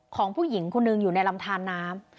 ของผู้หญิงคนหนึ่งอยู่ในลำทานน้ำ